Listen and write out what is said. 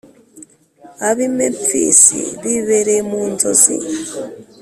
ab’i Memfisi bibereye mu nzozi,